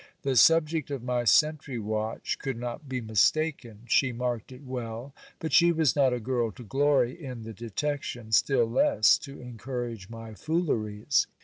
The subject of my sentry watch could not be mistaken. She marked it well ; but she was not a girl to glory in the detection, still less to encourage my fooleries.